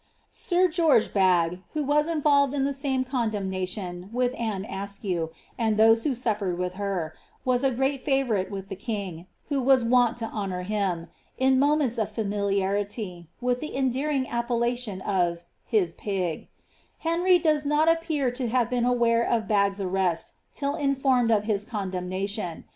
Sir George Blagge, who was involved in the same condemnation, with Anne Askew, and those who suflered with her, was a great favourite with the king, who was wont to honour him, in moments of familiarity, with the endearing appellation of his ^^ pig '^ Henry does not appear to have been aware of Blagge's arrest till informed of his condemnation.